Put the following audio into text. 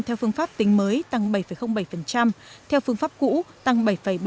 theo phương pháp tính mới tăng bảy bảy theo phương pháp cũ tăng bảy bảy mươi tám